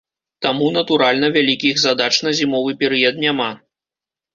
Таму, натуральна, вялікіх задач на зімовы перыяд няма.